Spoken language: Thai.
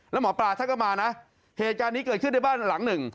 แล้วหมอปลาท่านก็มานะเหตุการณ์นี้เกิดขึ้นในบ้านหลังหนึ่ง